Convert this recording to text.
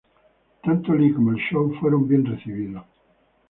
Tanto Lee como el show fueron bien recibidos.